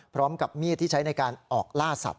พร้อมกับมีดที่ใช้ในการออกล่าสัตว